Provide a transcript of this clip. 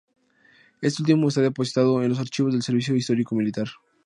Este último está depositado en los archivos del Servicio Histórico Militar.